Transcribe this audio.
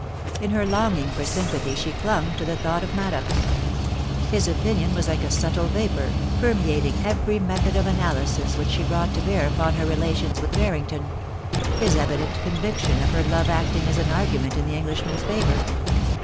In her longing for sympathy she clung to the thought of Maddox. His opinion was like a subtle vapour, permeating every method of analysis which she brought to bear upon her relations with Barrington ; his evident conviction of her love acting as an argument in the Englishman's favour.